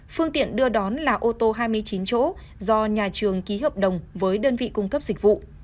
phương tiện đưa đón là ô tô hai mươi chín chỗ do nhà trường ký hợp đồng với đơn vị cung cấp dịch vụ